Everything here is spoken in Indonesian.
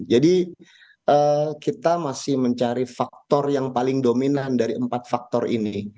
jadi kita masih mencari faktor yang paling dominan dari empat faktor ini